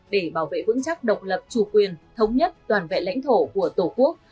để bảo vệ vững chắc độc lập chủ quyền thống nhất toàn vẹn lãnh thổ của tổ quốc